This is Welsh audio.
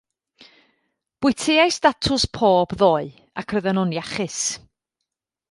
Bwyteais datws pob ddoe ac roedden nhw'n iachus.